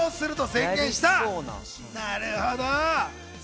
なるほど。